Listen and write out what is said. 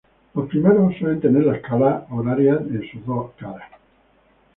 Los primeros suelen tener la escala horaria en sus dos caras.